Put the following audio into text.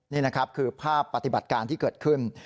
นี่นะครับคือภาพปฏิบัติการที่เกิดขึ้น